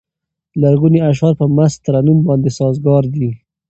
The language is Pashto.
لرغوني اشعار په مست ترنم باندې سازګار دي.